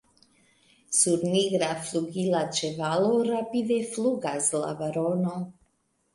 Sur nigra flugila ĉevalo rapide flugas la barono!